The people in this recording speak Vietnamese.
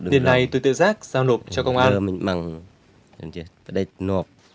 điều này tôi tự giác giao nộp cho công an